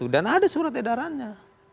dan ada surat edarannya